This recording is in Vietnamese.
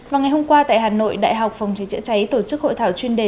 vào ngày hôm qua tại hà nội đại học phòng cháy chữa cháy tổ chức hội thảo chuyên đề